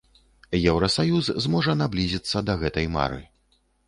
Еўрасаюз зможа наблізіцца да гэтай мары.